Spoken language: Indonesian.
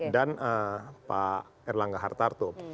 dan pak erlangga hartarto